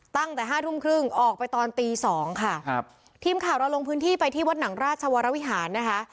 ตั้งแต่ห้าทุ่มครึ่งออกไปตอนตีสองค่ะครับทีมข่าวเราลงพื้นที่ไปที่วัดหนังราชวรวิหารนะคะ